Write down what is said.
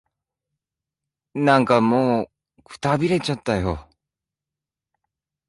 なんかもう、くたびれちゃったよ。